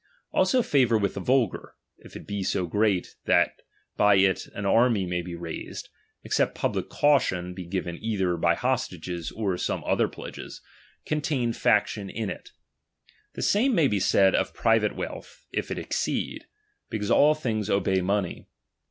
Also favour with the vulgar, if it be so great that by it an army may be raised, except public caution be given either by hostages or some other pledges, contains faction in it. The same may be said of private wealth, if it exceed; because all things obey money.